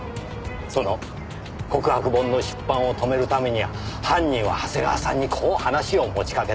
その告白本の出版を止めるために犯人は長谷川さんにこう話を持ちかけた。